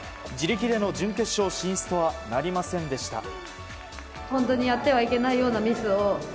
自力での準決勝進出とはなりませんでした。